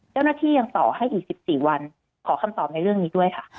เจ้าหน้าที่ยังต่อให้อีก๑๔วันขอคำตอบในเรื่องนี้ด้วยค่ะ